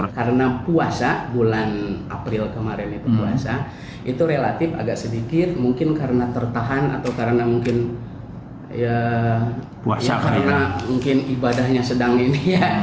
karena puasa bulan april kemarin itu puasa itu relatif agak sedikit mungkin karena tertahan atau karena mungkin ibadahnya sedang ini ya